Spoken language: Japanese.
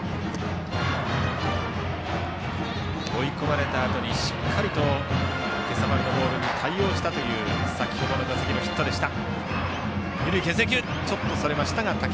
追い込まれたあとにしっかりと今朝丸のボールに対応したという先程の打席のヒットでした。